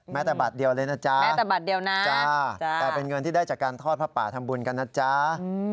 แม้แต่บัตรเดียวเลยนะจ๊ะจ๊ะแต่เป็นเงินที่ได้จากการทอดผ้าป่าทำบุญกันนะจ๊ะอืม